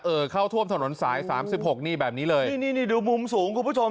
เข้าท่วมถนนสายสามสิบหกนี่แบบนี้เลยนี่นี่ดูมุมสูงคุณผู้ชม